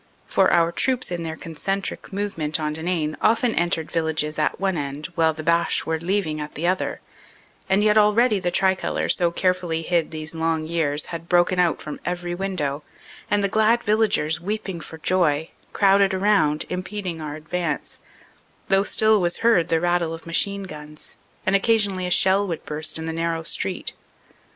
For our troops in their concentric movement on Denain often entered villages at one end while the Boche were leaving at the other, and yet already the tricolor, so carefully hid these long years, had broken out from every window and the glad villagers, weep ing for joy, crowded around, impeding our advance, though still was heard the rattle of machine guns, and occasionally a shell would burst in the narrow street.